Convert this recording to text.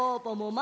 ま！